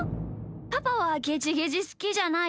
パパはゲジゲジすきじゃないよね？